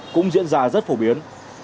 cũng diễn ra rất phổ biến